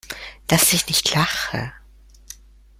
Dass ich nicht lache!